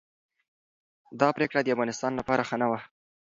دا پریکړه د افغانستان لپاره ښه نه وه.